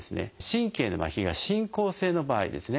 神経のまひが進行性の場合ですね